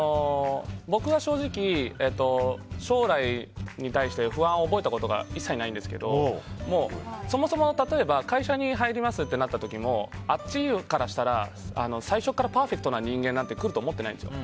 僕は正直、将来に対して不安を覚えたことが一切ないんですけどそもそも、例えば会社に入りますとなった時もあっちからしたら最初からパーフェクトな人間なんて来ると思っていないんですよ。